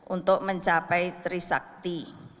untuk mencapai trisakti